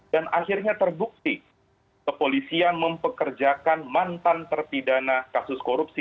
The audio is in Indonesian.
dan akhirnya terbukti kepolisian mempekerjakan mantan terpidana kasus korupsi